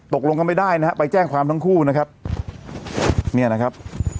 ตกลงกันไม่ได้นะฮะไปแจ้งความทั้งคู่นะครับเนี่ยนะครับ